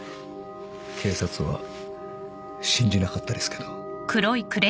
警察は信じなかったですけど。